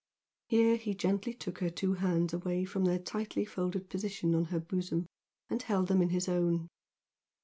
Here he gently took her two hands away from their tightly folded position on her bosom and held them in his own.